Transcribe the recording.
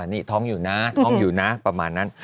นี่ท้องอยู่นะท้องอยู่นะประมาณนั้น